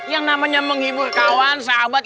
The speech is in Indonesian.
yang namanya menghibur kawan sahabat